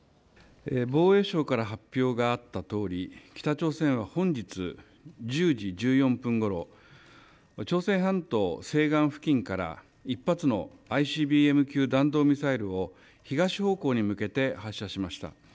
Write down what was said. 防衛省から発表があったとおり、北朝鮮は本日１０時１４分ごろ、朝鮮半島西岸付近から、１発のＩＣＢＭ級弾道ミサイルを東方向に向けて発射しました。